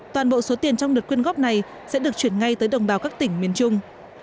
toàn bộ số tiền trong đợt quyên góp này sẽ được chuyển ngay tới đồng bào các tỉnh miền trung